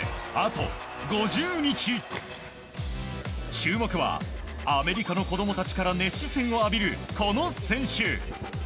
注目はアメリカの子供たちから熱視線を浴びるこの選手。